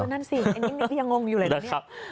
นั่นสิอันนี้ก็ยังงงอยู่เลยนะเนี่ย